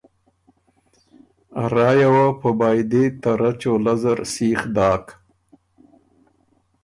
ا رایه وه په بائدی ته رۀ چولۀ زر سیخ داک